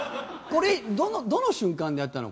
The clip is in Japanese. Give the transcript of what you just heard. どの瞬間でやったの？